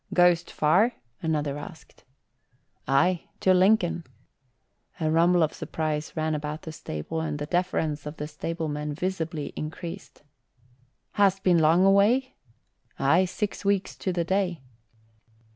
"Goest far?" another asked. "Aye, to Lincoln." A rumble of surprise ran about the stable and the deference of the stablemen visibly increased. "Hast been long away?" "Aye, six weeks to the day."